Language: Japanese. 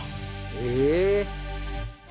ええ。